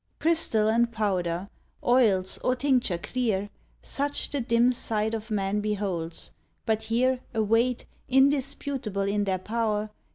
Crystal and powder, oils or tincture clear. Such the dim sight of man beholds, but here Await, indisputable in their pow'r.